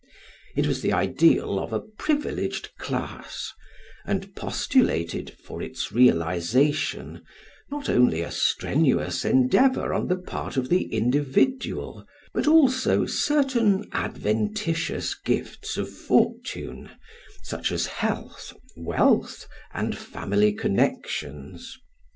It was the ideal of a privileged class, and postulated for its realisation, not only a strenuous endeavour on the part of the individual, but also certain adventitious gifts of fortune, such as health, wealth, and family connections.